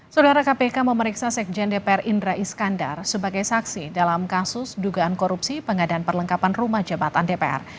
saudara kpk memeriksa sekjen dpr indra iskandar sebagai saksi dalam kasus dugaan korupsi pengadaan perlengkapan rumah jabatan dpr